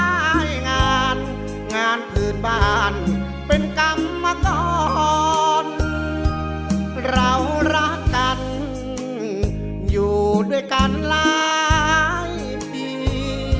ทำมาก่อนเรารักกันอยู่ด้วยกันหลายปี